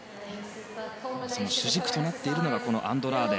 その主軸となっているのがこのアンドラーデ。